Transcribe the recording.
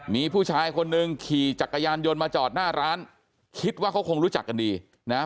มีผู้ชายคนหนึ่งขี่จักรยานยนต์มาจอดหน้าร้านคิดว่าเขาคงรู้จักกันดีนะฮะ